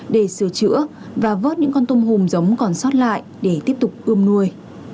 để sửa chữa và vớt những con tôm hùm giống còn sót lại để tiếp tục ươm nuôi